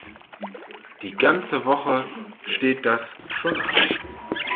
Die ganze Woche steht das schon an.